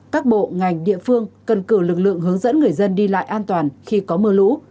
các bộ ngành địa phương cần cử lực lượng hướng dẫn người dân đi lại an toàn khi có mưa lũ